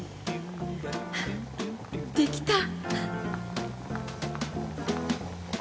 できた！